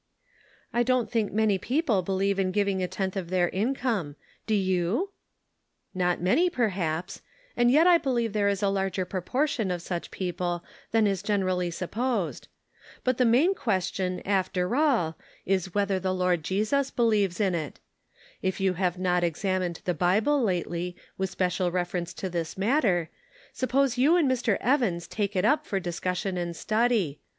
"I don't think many people believe in giv ing a tenth of their income. Do you ?"" Not many, perhaps ; and yet I believe there is a larger proportion of such people than is generally supposed. But the main question, 140 The Pocket Measure. after all, is whether the Lord Jesus believes in it. If you have not examined the Bible lately with special reference to this matter, suppose 3rou and Mr. Evans take it up for discussion and study.